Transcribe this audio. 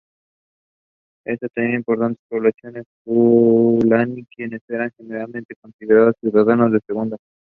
Estas tenían importantes poblaciones fulani, quienes eran generalmente considerados ciudadanos de segunda.